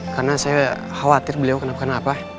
karena saya khawatir beliau kenapa kenapa